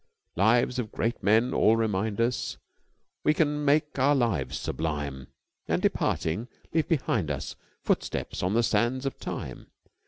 Lives of great men all remind us we can make our lives sublime, and, departing, leave behind us footsteps on the sands of Time.